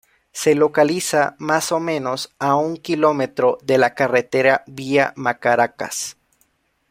Se localiza más o menos a un kilómetro de la carretera Vía Macaracas.